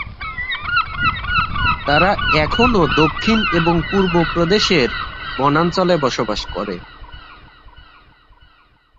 তারা এখনও দক্ষিণ এবং পূর্ব প্রদেশের বনাঞ্চলে বাস করে।